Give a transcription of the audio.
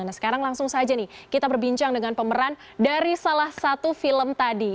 nah sekarang langsung saja nih kita berbincang dengan pemeran dari salah satu film tadi